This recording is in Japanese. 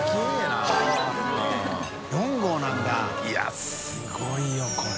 いやすごいよこれ。